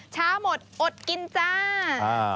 เช้าหมดอดกินจ้า